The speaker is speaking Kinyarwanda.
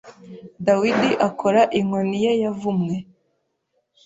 Dawidi akora inkoni ye yavumwe